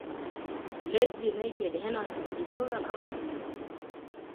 leeds united haina wachezaji bora kama timu nyingine